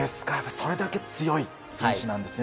それだけ強い選手なんですね